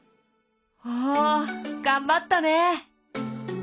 おお頑張ったね。